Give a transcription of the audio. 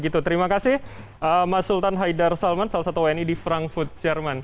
terima kasih mas sultan haidar salman salah satu wni di frankfurt jerman